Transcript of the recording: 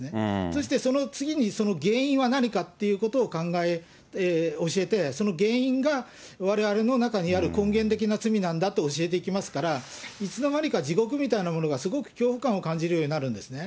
そしてその次にその原因は何かっていうことを考え、教えて、その原因がわれわれの中にある、根源的な罪なんだと教えていきますから、いつの間にか地獄みたいなものがすごく恐怖感を感じるようになるんですね。